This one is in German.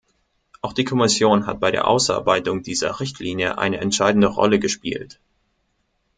Auch die Kommission hat bei der Ausarbeitung dieser Richtlinie eine entscheidende Rolle gespielt.